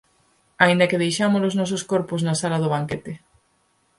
Aínda que deixamos os nosos corpos na sala de banquete.